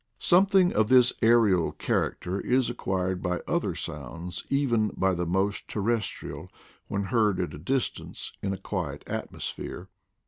Something of this aerial character is acquired by other sounds, even by the most terrestrial, when heard at a distance in a quiet atmosphere.